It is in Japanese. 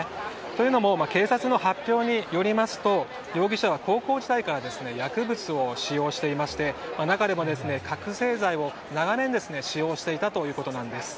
というのも警察の発表によりますと容疑者は高校時代から薬物を使用していまして中でも、覚醒剤を長年使用していたということです。